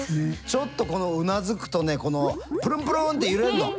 ちょっとうなずくとねこのプルンプルンって揺れるの。